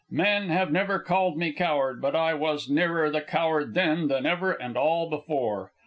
Men have never called me coward, but I was nearer the coward then than ever and all before.